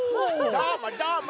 どーもどーも！